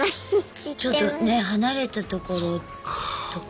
ちょっとね離れた所とか。